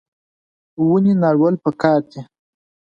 ونې نالول پکار دي